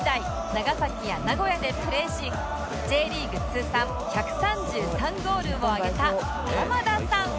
長崎や名古屋でプレーし Ｊ リーグ通算１３３ゴールを挙げた玉田さん！